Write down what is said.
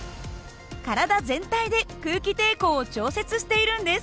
体全体で空気抵抗を調節しているんです。